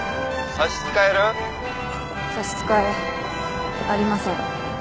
差し支えありません。